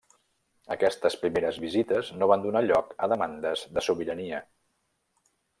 Aquestes primeres visites no van donar lloc a demandes de sobirania.